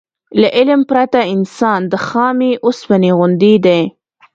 له علم پرته انسان د خامې اوسپنې غوندې دی.